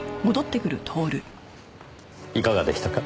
いかがでしたか？